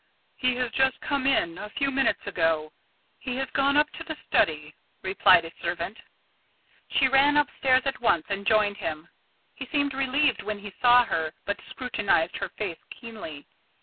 "He has just come in, a few minutes ago. He has gone up to the study," replied a servant. She ran upstairs at once and joined him. He seemed relieved when he saw her, but scrutinised her face keenly.